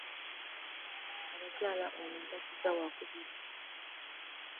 Abakyala ono mpasizza waakubiri.